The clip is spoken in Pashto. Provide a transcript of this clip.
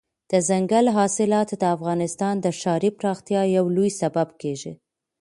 دځنګل حاصلات د افغانستان د ښاري پراختیا یو لوی سبب کېږي.